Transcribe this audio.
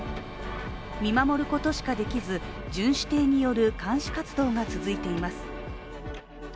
見守ることしかできず、巡視艇による監視活動が続いています。